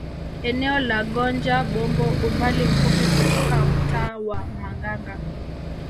Eneo la Gonja Bombo umbali mfupi kutoka mtaa wa Manganga